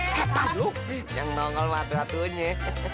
seta dulu yang tongol mati matinya